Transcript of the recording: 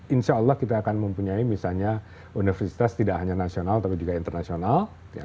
insya allah kita akan mempunyai misalnya universitas tidak hanya nasional tapi juga internasional